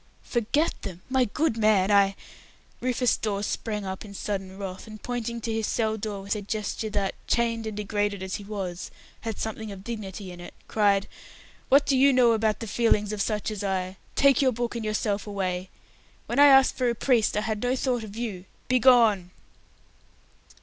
"Forget them! My good man, I " Rufus Dawes sprang up in sudden wrath, and pointing to his cell door with a gesture that chained and degraded as he was had something of dignity in it, cried, "What do you know about the feelings of such as I? Take your book and yourself away. When I asked for a priest, I had no thought of you. Begone!"